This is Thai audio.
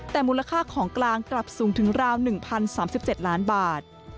แต่มูลค่าของกลางกลับสูงถึงราว๑๐๓๗ล้านบาท